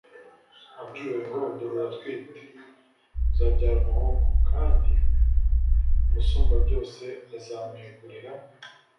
abwiwe ngo « dore uratwite, uzabyara umuhungu, kandi umusumbabyose azamwegurira